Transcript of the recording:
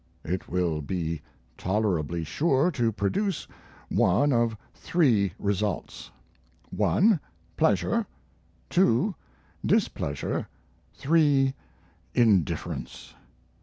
It will be tolerably sure to produce one of three results: 1, pleasure; 2, displeasure; 3, indifference.